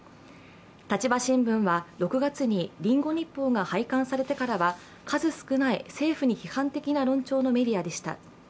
「立場新聞」は６月に「リンゴ日報」が廃刊されてからは数少ない政府に批判的な論調のメディアでした。